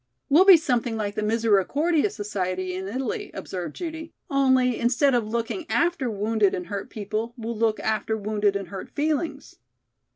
"We'll be something like the Misericordia Society in Italy," observed Judy, "only, instead of looking after wounded and hurt people, we'll look after wounded and hurt feelings."